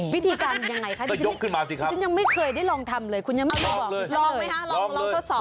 วิธีการยังไงคะคุณยังไม่เคยได้ลองทำเลยคุณยังไม่ได้บอกคุณเชิญเลยลองไหมคะลองทดสอบไหมคะ